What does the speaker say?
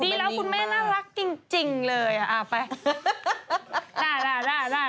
ดีแล้วคุณแม่น่ารักจริงเลยอ่ะไป